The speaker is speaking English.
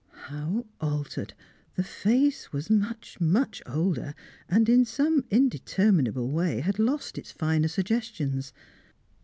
How altered! The face was much, much older, and in some indeterminable way had lost its finer suggestions.